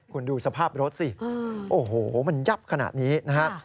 คุณดูสภาพรถสิโอ้โหมันยับขนาดนี้นะฮะ